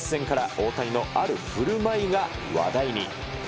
大谷のあるふるまいが話題に。